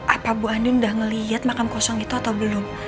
apa bu ani udah ngelihat makam kosong itu atau belum